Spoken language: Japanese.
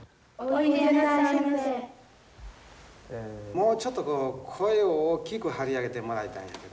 もうちょっとこう声を大きく張り上げてもらいたいんやけどね。